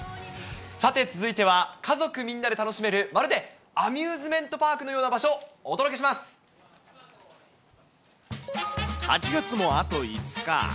さて、続いては、家族みんなで楽しめる、まるでアミューズメントパークのような場所、お届けしま８月もあと５日。